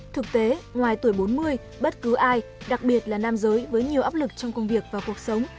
thực tế ngoài tuổi bốn mươi bất cứ ai đặc biệt là nam giới với nhiều áp lực trong công việc và cuộc sống